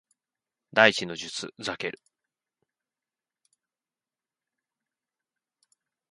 第一の術ザケル